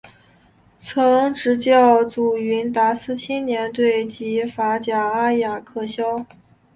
曾执教祖云达斯青年队及法甲阿雅克肖。